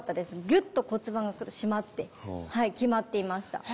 ギュッと骨盤が締まって極まっていました。